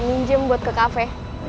minjem buat ke cafe